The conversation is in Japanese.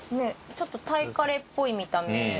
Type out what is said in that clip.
ちょっとタイカレーっぽい見た目。